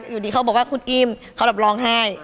อยู่ดีเขาบอกว่าคุณอิมเขาแบบร้องไห้